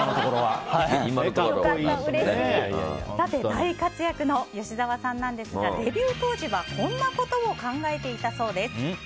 大活躍の吉沢さんですがデビュー当時はこんなことを考えていたそうです。